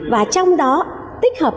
và trong đó tích hợp